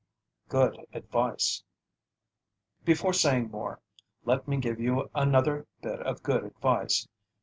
GOOD ADVICE Before saying more, let me give you another bit of good advice.